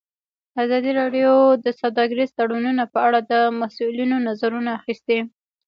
ازادي راډیو د سوداګریز تړونونه په اړه د مسؤلینو نظرونه اخیستي.